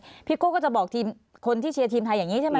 อย่างนี้พี่โก้จะบอกคนที่เชียร์ทีมไทยแบบนี้ใช่ไหม